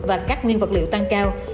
và các nguyên vật liệu tăng cao